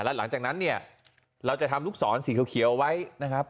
แล้วหลังจากนั้นเนี่ยเราจะทำลูกศรสีเขียวไว้นะครับ